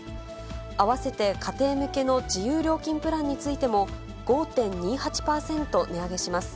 あわせて家庭向けの自由料金プランについても５．２８％値上げします。